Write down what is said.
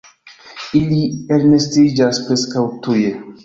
Ili elnestiĝas preskaŭ tuje.